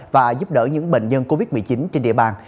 và giúp đỡ những bệnh nhân covid một mươi chín trên địa bàn